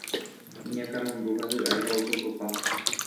iñakãnundu ha hy'ái ha ososopa